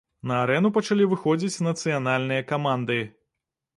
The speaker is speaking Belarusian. На арэну пачалі выходзіць нацыянальныя каманды.